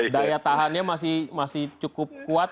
daya tahannya masih cukup kuat